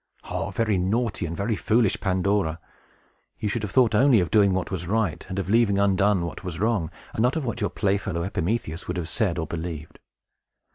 Oh, very naughty and very foolish Pandora! You should have thought only of doing what was right, and of leaving undone what was wrong, and not of what your playfellow Epimetheus would have said or believed.